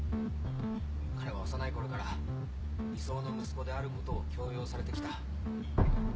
彼は幼いころから理想の息子であることを強要されてきた。